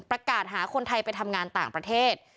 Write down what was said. ประกาศหาคนไทยไปทำงานต่างประเทศ